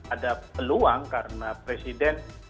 ada peluang karena presiden